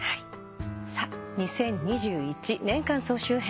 さあ「２０２１年間総集編」